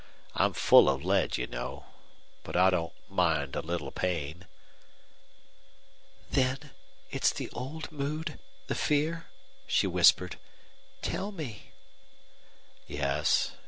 I'm full of lead, you know. But I don't mind a little pain." "Then it's the old mood the fear?" she whispered. "Tell me." "Yes.